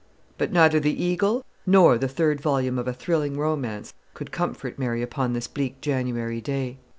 But neither the eagle nor the third volume of a thrilling romance could comfort Mary upon this bleak January day.